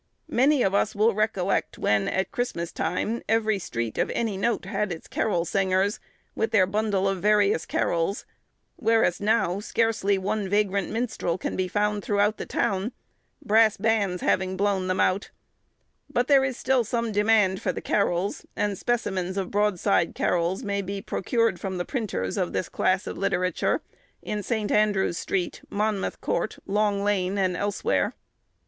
Many of us will recollect when at Christmas time every street of any note had its carol singers, with their bundle of various carols, whereas now scarcely one vagrant minstrel can be found throughout the town, brass bands having blown them out; but there is still some demand for the carols, and specimens of broadside carols may be procured from the printers of this class of literature, in St. Andrew's Street, Monmouth Court, Long Lane, and elsewhere.